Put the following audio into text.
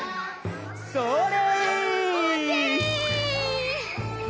それ！